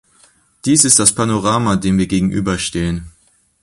Dies ist das Panorama, dem wir gegenüberstehen.